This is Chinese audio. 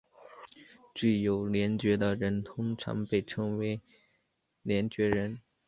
具有联觉的人通常被称作联觉人。